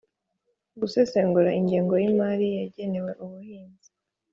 gusesengura ingengo y'imari yagenewe ubuhinzi